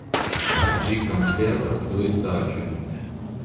Ĝi konservas du etaĝojn.